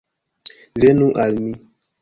Venu al mi!